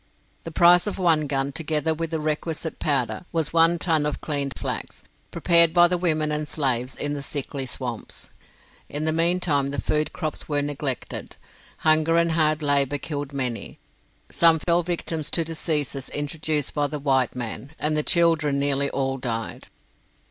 The price of one gun, together with the requisite powder, was one ton of cleaned flax, prepared by the women and slaves in the sickly swamps. In the meantime the food crops were neglected, hunger and hard labour killed many, some fell victims to diseases introduced by the white men, and the children nearly all died.